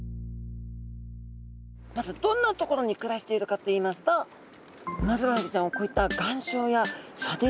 まずどんな所に暮らしているかといいますとウマヅラハギちゃんはこういった岩礁や砂泥底に暮らしてるんですね。